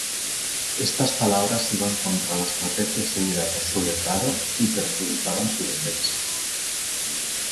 Estas palabras iban contra la estrategia seguida por su letrado y perjudicaban su defensa.